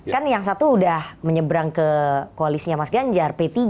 kan yang satu udah menyeberang ke koalisinya mas ganjar p tiga